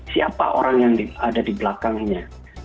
siapa orang yang ada di belakangnya